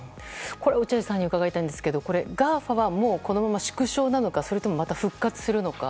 落合さんに伺いたいんですがＧＡＦＡはもうこのまま縮小なのかまた復活するのか。